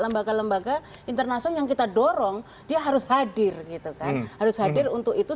lembaga lembaga internasional yang kita dorong dia harus hadir gitu kan harus hadir untuk itu